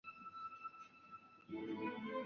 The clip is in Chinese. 西魏废帝三年。